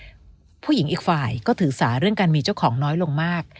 เพราะว่าผู้หญิงอีกฝ่ายก็ถือสาเรื่องการมีเจ้าของน้อยลงมาก